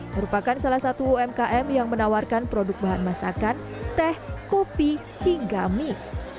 merupakan salah satu umkm yang menawarkan produk bahan masakan teh kopi hingga mie